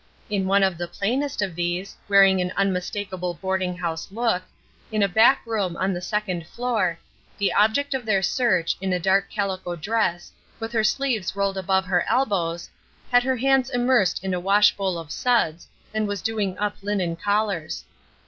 In one of the plainest of these, wearing an unmistakable boarding house look, in a back room on the second floor, the object of their search, in a dark calico dress, with her sleeves rolled above her elbows, had her hands immersed in a wash bowl of suds, and was doing up linen collars.